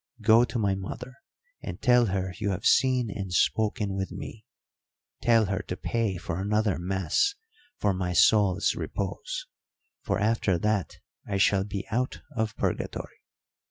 Go to my mother and tell her you have seen and spoken with me; tell her to pay for another mass for my soul's repose, for after that I shall be out of purgatory.